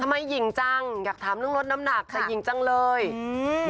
ทำไมหญิงจังอยากถามเรื่องลดน้ำหนักแต่หญิงจังเลยอืม